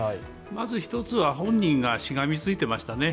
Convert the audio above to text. まず１つは本人がしがみついていましたね。